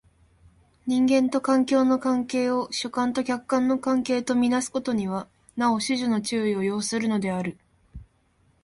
人間と環境の関係を主観と客観の関係と看做すことにはなお種々の注意を要するのである。